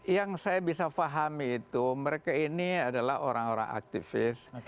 yang saya bisa fahami itu mereka ini adalah orang orang aktivis